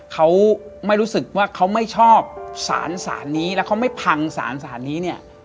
เขาไม่รู้สึกว่าเขาไม่ชอบสารสารนี้แล้วเขาไม่พังสารสารนี้เนี่ย